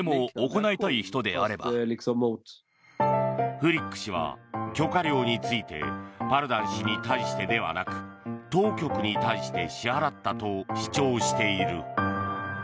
フリック氏は許可料についてパルダン氏に対してではなく当局に対して支払ったと主張している。